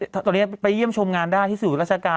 แต่ตอนนี้ไปเยี่ยมชมงานได้ที่สื่อรัฐกาศ